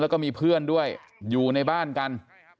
แล้วก็มีเพื่อนด้วยอยู่ในบ้านกัน